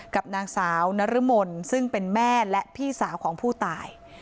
กับนางสาวนรมนซึ่งเป็นแม่และพี่สาวของผู้ตาย